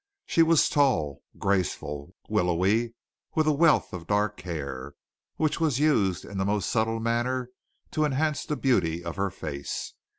She was tall, graceful, willowy, with a wealth of dark hair, which was used in the most subtle manner to enhance the beauty of her face.